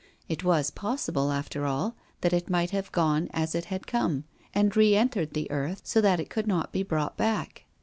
It was possible, after all, that it might have gone as it had come, and re entered the earth, so that it could not be brought back.